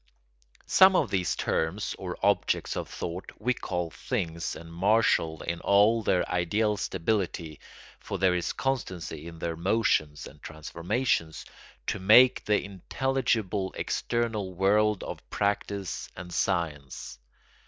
Some of these terms or objects of thought we call things and marshal in all their ideal stability—for there is constancy in their motions and transformations—to make the intelligible external world of practice and science.